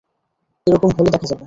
এরকম হলে দেখা যাবে।